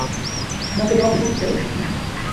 নাকি dog food চাই?